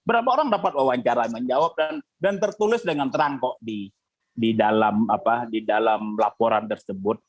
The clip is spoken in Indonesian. berapa orang dapat wawancara menjawab dan tertulis dengan terang kok di dalam laporan tersebut